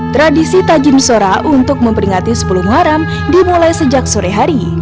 tradisi tajim sora untuk memperingati sepuluh muharam dimulai sejak sore hari